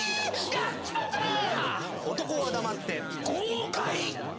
やっちまったなあ！